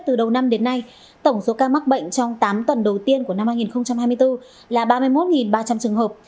từ đầu năm đến nay tổng số ca mắc bệnh trong tám tuần đầu tiên của năm hai nghìn hai mươi bốn là ba mươi một ba trăm linh trường hợp